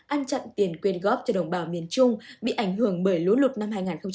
ăn chặn tiền quyên góp cho đồng bào miền trung bị ảnh hưởng bởi lũ lụt năm hai nghìn hai mươi